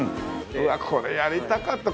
うわっこれやりたかった。